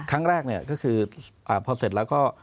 ครั้งแรกเนี่ยก็คือพอเสร็จแล้วก็